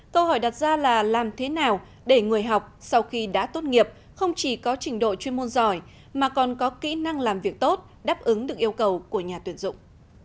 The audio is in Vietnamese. câu hỏi đặt ra là làm thế nào để người học sau khi đã tốt nghiệp không chỉ có trình độ chuyên môn giỏi mà còn có kỹ năng làm việc tốt đáp ứng được yêu cầu của nhà tuyển dụng